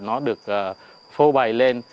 nó được phô bày lên